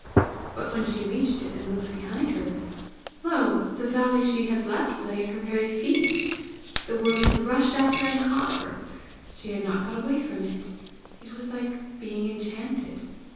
But when she reached it and looked behind her, lo, the valley she had left lay at her very feet! The world had rushed after and caught her! She had not got away from it! It was like being enchanted!